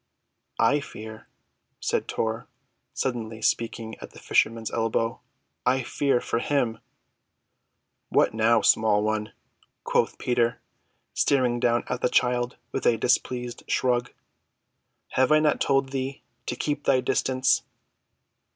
"I fear," said Tor, suddenly speaking at the fisherman's elbow. "I fear—for him." "What now, small one," quoth Peter, staring down at the child with a displeased shrug. "Have I not told thee to keep thy distance?"